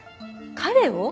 彼を？